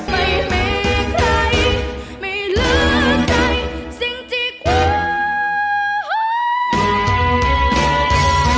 ไม่มีใครไม่เหลือใครสิ่งที่ควร